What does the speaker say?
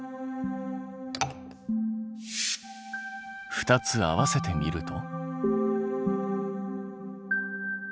２つ合わせてみると。